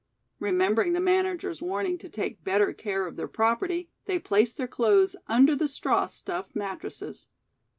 Remembering the manager's warning to take better care of their property, they placed their clothes under the straw stuffed mattresses.